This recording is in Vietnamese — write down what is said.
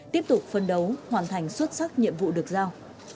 tiếp tục phân đấu hoàn thành xuất sắc nhiệm vụ được giao